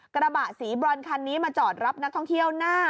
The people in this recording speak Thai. กระบะสีบรอนคันนี้มาจอดรับนักท่องเที่ยวหน้า